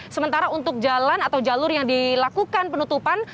sementara untuk jalan atau jalur yang dilakukan penutupan